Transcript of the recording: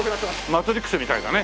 『マトリックス』みたいだね。